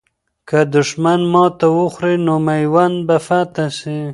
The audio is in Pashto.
که دښمن ماته وخوري، نو میوند به فتح سي.